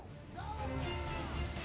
saya juga melapor ke dewan pers